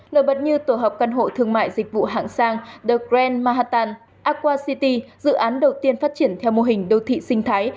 nổi bật như tổ hợp căn hộ thương mại dịch vụ hạng sang the grand manhattan aqua city dự án đầu tiên phát triển theo mô hình đô thị sinh thái